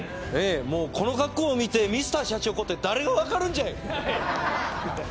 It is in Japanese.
もうこの格好見てＭｒ．シャチホコって誰が分かるんじゃい！